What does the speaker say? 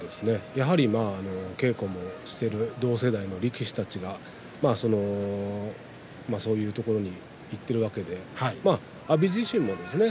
やはり稽古をしている同世代の力士たちがそういうところに行っているわけで阿炎自身もですね